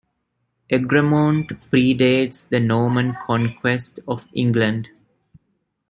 Egremont pre-dates the Norman conquest of England.